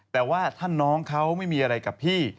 แต่ว่าถ้าน้องเขาไม่มีอะไรกับพี่